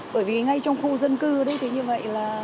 bởi vì ngay trong khu dân cư đấy thì như vậy là